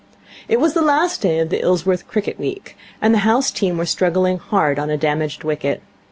It was the last day of the Ilsworth cricket week, and the house team were struggling hard on a damaged wicket.